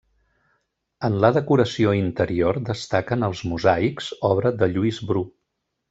En la decoració interior destaquen els mosaics, obra de Lluís Bru.